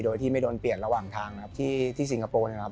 โดยที่ไม่โดนเปลี่ยนระหว่างทางนะครับที่สิงคโปร์นะครับ